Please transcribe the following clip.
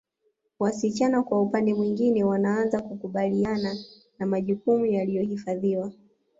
Wasichana kwa upande mwingine wanaanza kukabiliana na majukumu yaliyohifadhiwa